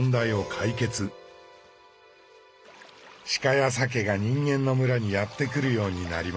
シカやサケが人間の村にやって来るようになります。